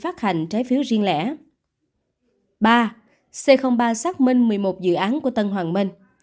ba c ba xác minh một mươi một dự án của tân hoàng minh